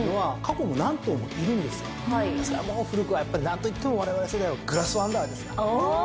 もう古くはやっぱ何といってもわれわれ世代はグラスワンダーですよ。